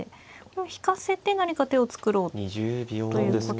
これは引かせて何か手を作ろうということ。